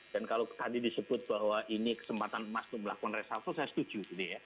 dan kalau tadi disebut bahwa ini kesempatan emas untuk melakukan resaso saya setuju